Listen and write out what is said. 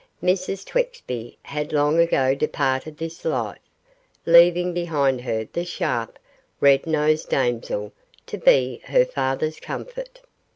Mrs Twexby had long ago departed this life, leaving behind her the sharp, red nosed damsel to be her father's comfort.